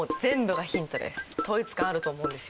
統一感あると思うんですよ。